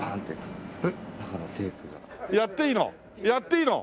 やっていいの？